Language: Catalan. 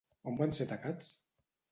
On van ser atacats?